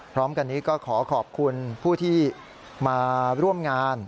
พร้อมกันนี้ก็ขอขอบคุณผู้ที่มาร่วมงาน